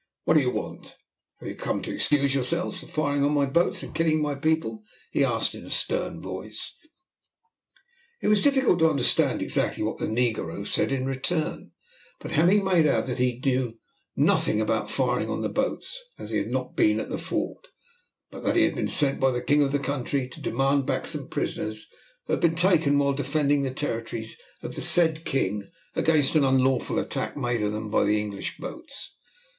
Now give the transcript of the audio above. "What is it you want? Have you come to excuse yourselves for firing on my boats and killing my people?" he asked in a stern voice. It was difficult to understand exactly what the negro said in return, but Hemming made out that he knew nothing about firing on the boats, as he had not been at the fort, but that he had been sent by the king of the country to demand back some prisoners who had been taken while defending the territories of the said king against an unlawful attack made on them by the English boats.